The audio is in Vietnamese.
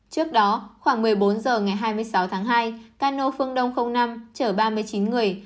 trước đó khoảng một mươi bốn h ngày hai mươi sáu tháng hai cano phương đông năm chở ba mươi chín người